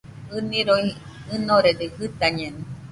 ɨniroi ɨnorede, jɨtañeno